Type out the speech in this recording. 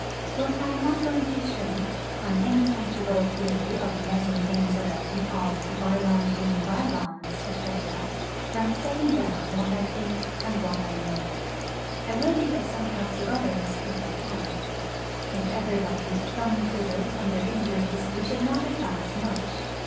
But I am not going to shrink, on any comfortable theory of 'letting things alone,' of 'bygones being bygones,' &c., from setting down what I think and what I know. I will be of some help to others if I can. If everybody thumb twiddled under injuries we should not advance much.